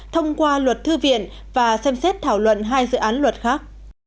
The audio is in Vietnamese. thông qua luật thư viện và xem xét thảo luận hai dự án luật khác